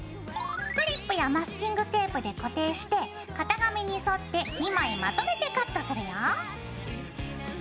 クリップやマスキングテープで固定して型紙に沿って２枚まとめてカットするよ。